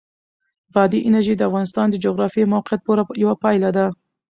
بادي انرژي د افغانستان د جغرافیایي موقیعت پوره یوه پایله ده.